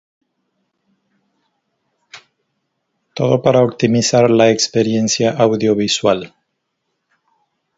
Todo para optimizar la experiencia audiovisual.